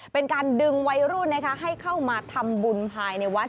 เป็นการดึงวัยรุ่นให้เข้ามาทำบุญภายในวัด